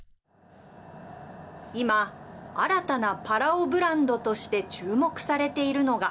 今、新たなパラオブランドとして注目されているのが。